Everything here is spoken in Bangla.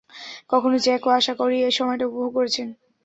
এখন, জ্যাকও আশা করি সময়টা উপভোগ করছেন!